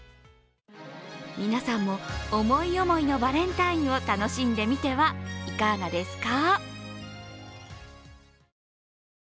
皆さんも、思い思いのバレンタインを楽しんでみてはいかがですか？